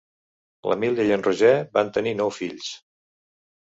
L'Emília i en Roger van tenir nou fills.